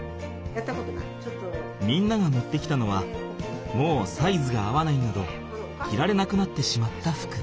みんなが持ってきたのはもうサイズが合わないなど着られなくなってしまった服。